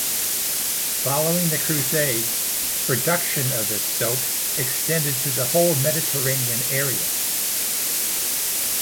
Following the Crusades, production of this soap extended to the whole Mediterranean area.